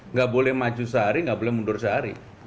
nggak boleh maju sehari nggak boleh mundur sehari